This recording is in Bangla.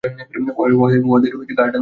ওদের গার্ড আমি?